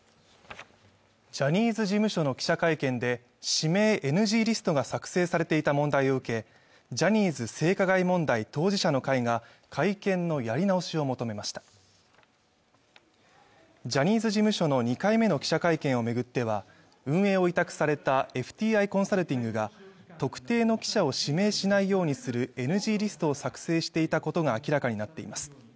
ジャニーズ事務所の記者会見で指名ＮＧリストが作成されていた問題を受けジャニーズ性加害問題当事者の会が会見のやり直しを求めましたジャニーズ事務所の２回目の記者会見を巡っては運営を委託されたＦＴＩコンサルティングが特定の記者を指名しないようにするＮＧリストを作成していたことが明らかになっています